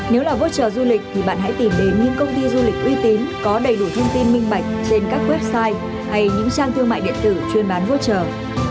nếu là voucher du lịch thì bạn hãy tìm đến những công ty du lịch uy tín có đầy đủ thông tin minh bạch trên các website hay những trang thương mại điện tử chuyên bán vô chờ